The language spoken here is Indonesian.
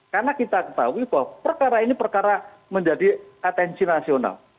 karena kita tahu bahwa perkara ini perkara menjadi atensi nasional